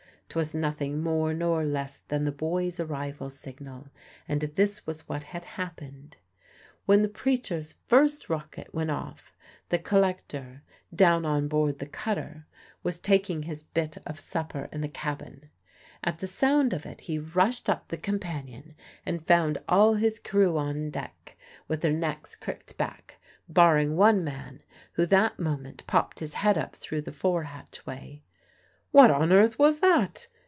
'Twas nothing more nor less than the boys' arrival signal, and this was what had happened. When the preacher's first rocket went off, the collector, down on board the cutter, was taking his bit of supper in the cabin. At the sound of it he rushed up the companion, and found all his crew on deck with their necks cricked back, barring one man, who that moment popped his head up through the fore hatchway. "What on earth was that?"